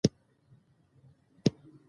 استاد بينوا د پښتنو د ملي ویاړونو ستاینه وکړه.